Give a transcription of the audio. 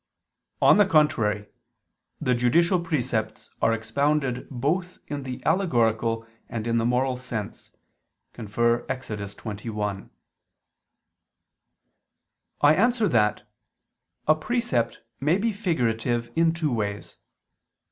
On the contrary, The judicial precepts are expounded both in the allegorical and in the moral sense (Ex. 21). I answer that, A precept may be figurative in two ways.